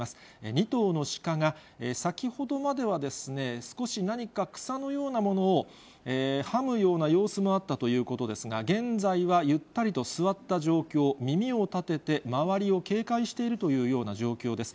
２頭のシカが、先ほどまでは少し何か草のようなものをはむような様子もあったということですが、現在はゆったりと座った状況、耳を立てて、周りを警戒しているというような状況です。